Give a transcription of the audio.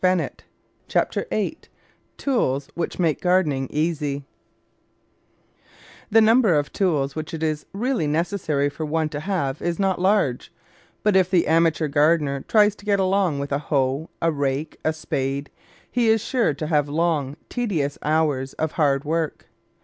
CHAPTER EIGHT TOOLS WHICH MAKE GARDENING EASY 1 HE number of tools which it is really necessary for one to have is not large; but if the amateur gardener tries to get along with a hoe, a rake, and a spade, he is sure to have long, tedious hours of hard work.